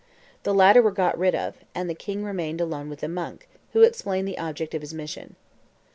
The latter were got rid of; and the king remained alone with the monk, who explained the object of his mission.